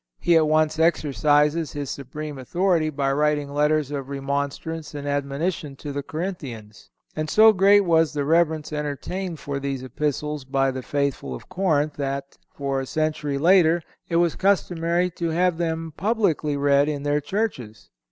He at once exercises his supreme authority by writing letters of remonstrance and admonition to the Corinthians. And so great was the reverence entertained for these Epistles by the faithful of Corinth that, for a century later, it was customary to have them publicly read in their churches.